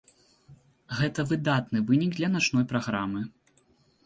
Гэта выдатны вынік для начной праграмы.